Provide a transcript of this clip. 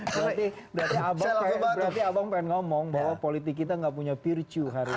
berarti abang pengen ngomong bahwa politik kita gak punya virtue hari ini